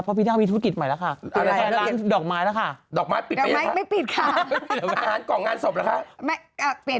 เพราะพี่หน้าเมียมีธูตกิจใหม่แล้วค่ะ